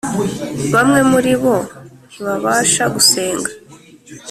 bamwe muri bo ntibashaka gusenga